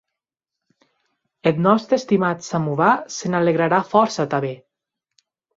Eth nòste estimat samovar se n'alegrarà fòrça tanben.